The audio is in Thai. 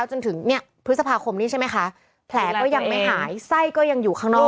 จนถึงเนี่ยพฤษภาคมนี้ใช่ไหมคะแผลก็ยังไม่หายไส้ก็ยังอยู่ข้างนอก